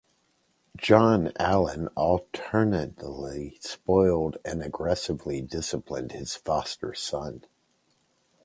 John Allan alternately spoiled and aggressively disciplined his foster son.